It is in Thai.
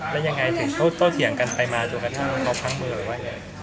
แล้วยังไงถึงโต้เถียงกันไปมาจนกระทั่งเขาพังมือว่า